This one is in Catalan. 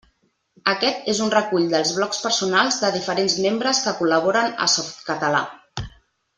Aquest és un recull dels blocs personals de diferents membres que col·laboren a Softcatalà.